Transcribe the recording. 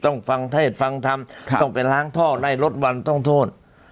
ต้องฟังเทศฟังธรรมต้องไปล้างท่อไล่ลดวันต้องโทษ